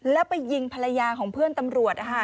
แล้วไปยิงภรรยาของเพื่อนตำรวจนะคะ